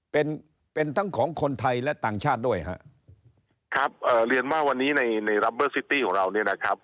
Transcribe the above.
เป็นเป็นทั้งของคนไทยและต่างชาติด้วยฮะครับเอ่อเรียนว่าวันนี้ในในรัปเบอร์ซิตี้ของเราเนี่ยนะครับ